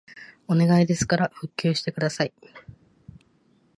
お願いですから復旧してください